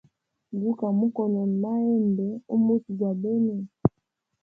Guka mukonona mahembe u muti gwa bene.